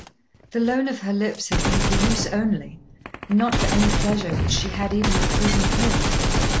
The loan of her lips had been for use only, and not for any pleasure which she had even in pleasing him.